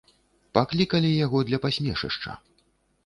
Паклікалі яго для пасмешышча.